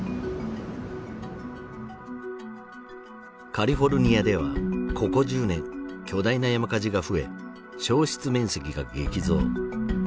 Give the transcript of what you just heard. カリフォルニアではここ１０年巨大な山火事が増え焼失面積が激増。